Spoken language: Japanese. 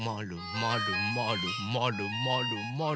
まるまるまるまる。